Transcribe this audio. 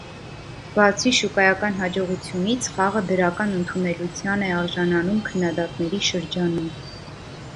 Բացի շուկայական հաջողությունից, խաղը դրական ընդունելության է արժանանում քննադատների շրջանում։